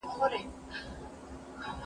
ښکلا به خپره سي.